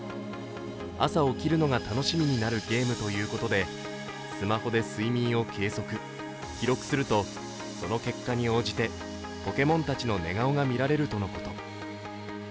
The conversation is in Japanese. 朝起きるのが楽しみになるゲームということでスマホで睡眠を計測、記録するとその結果に応じてポケモンたちの寝顔が見られるとのこと。